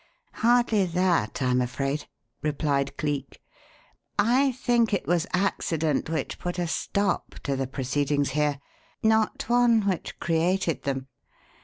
"Hardly that, I'm afraid," replied Cleek. "I think it was accident which put a stop to the proceedings here, not one which created them.